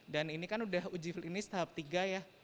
dan ini kan udah uji klinis tahap tiga ya